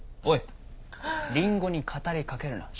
おいりんごに語りかけるな。